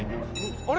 あれ？